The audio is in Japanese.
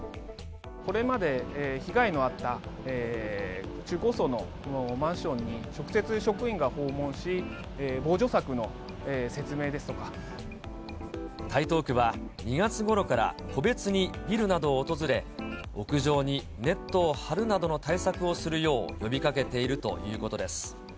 これまで被害のあった中高層のマンションに直接、職員が訪問し、台東区は、２月ごろから個別にビルなどを訪れ、屋上にネットを張るなどの対策をするよう呼びかけているということです。